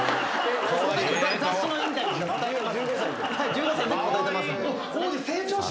１５歳のとき答えてます。